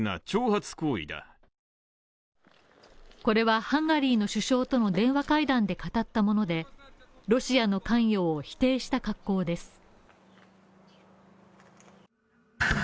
これはハンガリーの首相との電話会談で語ったものでロシアの関与を否定した格好です。